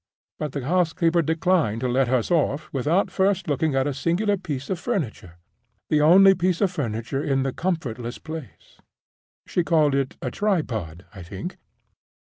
But the housekeeper declined to let us off without first looking at a singular piece of furniture, the only piece of furniture in the comfortless place. She called it a tripod, I think.